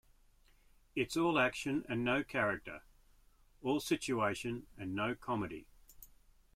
It's all action and no character, all situation and no comedy.